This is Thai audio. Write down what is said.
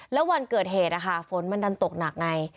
แล้ววันเกิดเหตุฝนมันดันตกหนักไง